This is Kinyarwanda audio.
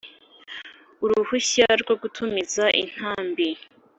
uruhushya rwo gutumiza intambi